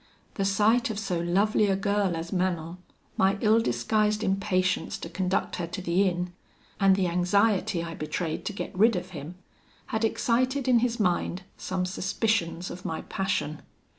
The sight of so lovely a girl as Manon, my ill disguised impatience to conduct her to the inn, and the anxiety I betrayed to get rid of him, had excited in his mind some suspicions of my passion.